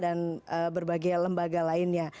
dan berbagai lembaga lainnya